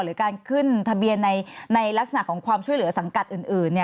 หรือการขึ้นทะเบียนในลักษณะของความช่วยเหลือสังกัดอื่น